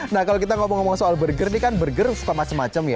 nah kalau kita ngomong ngomong soal burger nih kan burger suka macem macem ya